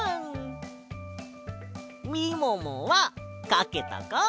みももはかけたか？